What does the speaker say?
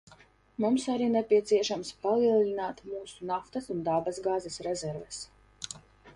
Mums arī nepieciešams palielināt mūsu naftas un dabasgāzes rezerves.